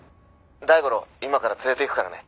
「大五郎今から連れて行くからね」